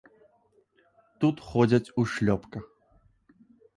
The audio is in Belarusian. Тут ходзяць у шлёпках.